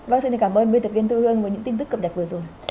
vâng xin cảm ơn biên tập viên thư hương với những tin tức cập nhật vừa rồi